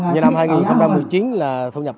như năm hai nghìn một mươi chín là thu nhập